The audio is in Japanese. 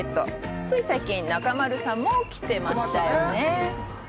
つい最近、中丸さんも来てましたよね！